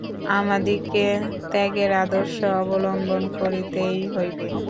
আমাদিগকে ত্যাগের আদর্শ অবলম্বন করিতেই হইবে।